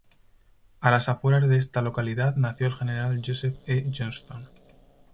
A las afueras de esta localidad nació el general Joseph E. Johnston.